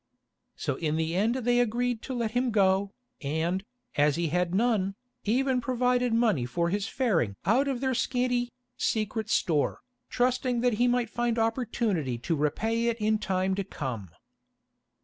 So in the end they agreed to let him go, and, as he had none, even provided money for his faring out of their scanty, secret store, trusting that he might find opportunity to repay it in time to come.